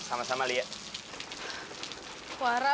iya satu imbearea